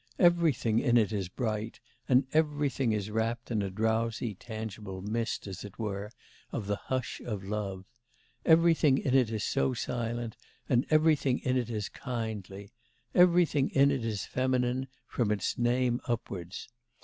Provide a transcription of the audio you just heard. Everything in it is bright, and everything is wrapt in a drowsy, tangible mist, as it were, of the hush of love; everything in it is so silent, and everything in it is kindly; everything in it is feminine, from its name upwards.